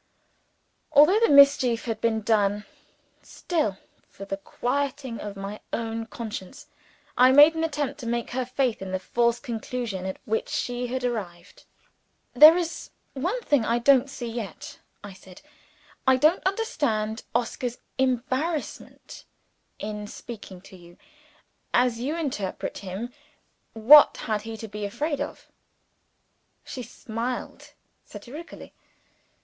Although the mischief had been done still, for the quieting of my own conscience, I made an attempt to shake her faith in the false conclusion at which she had arrived. "There is one thing I don't see yet," I said. "I don't understand Oscar's embarrassment in speaking to you. As you interpret him, what had he to be afraid of?" She smiled satirically.